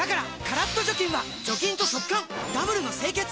カラッと除菌は除菌と速乾ダブルの清潔！